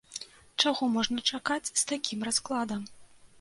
Чаго можна чакаць з такім раскладам?